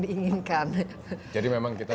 diinginkan jadi memang kita